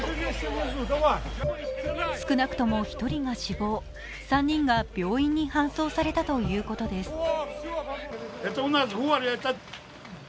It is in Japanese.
少なくとも１人が死亡、３人が病院に搬送されたということです。